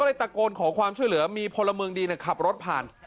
ตะโกนขอความช่วยเหลือมีพลเมืองดีขับรถผ่าน